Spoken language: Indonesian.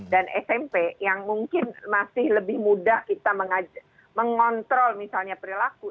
dan smp yang mungkin masih lebih mudah kita mengontrol misalnya perilaku